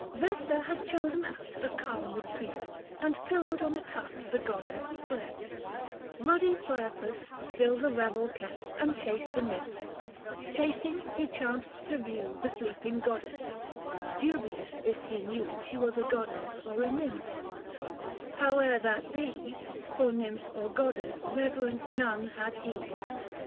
Vesta had chosen out a calm retreat, And pillowed on a tuft the goddess slept ; Euddy Priapus still the revel kept, 395 And chased the nymphs ; chasing he chanced to view The sleeping goddess, dubious if he knew She was a goddess or a nymph ; howe'er that be For nymph or goddess reverence none had he.